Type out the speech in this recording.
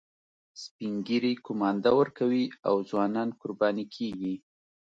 سپین ږیري قومانده ورکوي او ځوانان قرباني کیږي